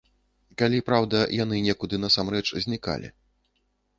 Калі, праўда, яны некуды насамрэч знікалі.